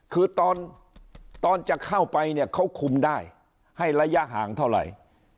คือตอนจะเข้าไปเนี่ยเขาคุมได้ให้ระยะห่างเท่าไหร่